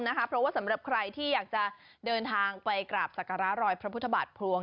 เพราะว่าสำหรับใครที่อยากจะเดินทางไปกราบสักการะรอยพระพุทธบาทพลวง